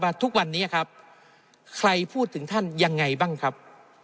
ทุกวันนี้ครับใครพูดถึงท่านยังไงบ้างครับ